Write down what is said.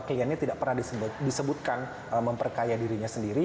kliennya tidak pernah disebutkan memperkaya dirinya sendiri